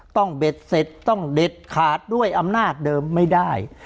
เบ็ดเสร็จต้องเด็ดขาดด้วยอำนาจเดิมไม่ได้